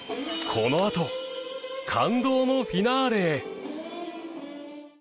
このあと感動のフィナーレへ。